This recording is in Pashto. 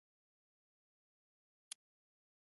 ګاونډي ته خپل ښه نیت وښیه